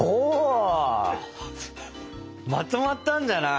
まとまったんじゃない？